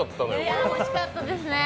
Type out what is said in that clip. いや、欲しかったですね。